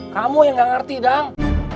kamu yang ga ngerti dang